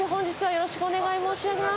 よろしくお願いします